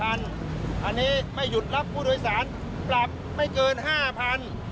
อันนี้ไม่หยุดรับผู้โดยสารปรับไม่เกิน๕๐๐บาท